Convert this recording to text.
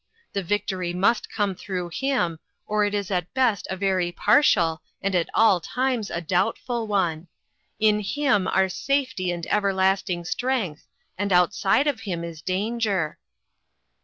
The victory must come through Him, or it is at best a very partial, and at all times ft doubtful one. In Him are safety and everlasting strength, and outside of Him is danger."